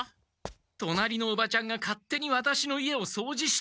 隣のおばちゃんが勝手にワタシの家を掃除して。